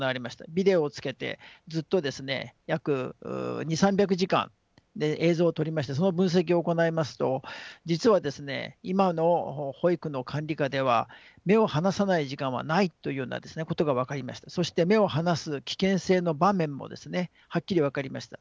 ビデオをつけてずっと約２００３００時間映像を撮りましてその分析を行いますと実は今の保育の管理下では目を離さない時間はないというようなことが分かりましてそして目を離す危険性の場面もはっきり分かりました。